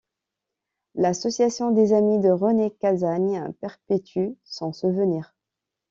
L'Association des amis de René Cassagne perpétue son souvenir.